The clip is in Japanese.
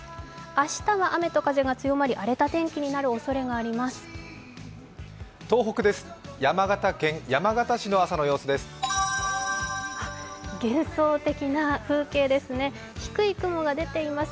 明日は雨と風が強まり荒れた天気となるおそれがあります。